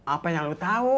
apa yang lu tahu